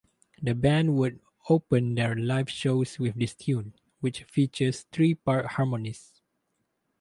The band would open their live shows with this tune, which features three-part harmonies.